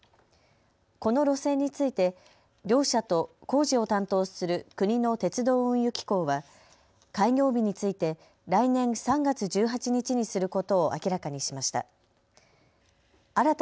この路線について両社と工事を担当する国の鉄道・運輸機構は開業日について来年３月１８日にすることを明らかにしました。